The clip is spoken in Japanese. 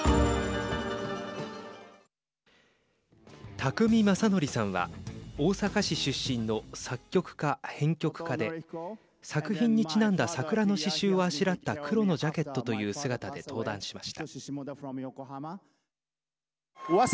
宅見将典さんは大阪市出身の作曲家・編曲家で作品にちなんだ桜の刺しゅうをあしらった黒のジャケットという姿で登壇しました。